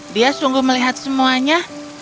dia sungguh melihat semuanya